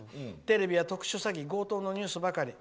テレビは特殊詐欺強盗のニュースばかり。